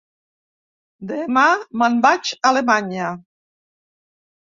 Demà me'n vaig a Alemanya.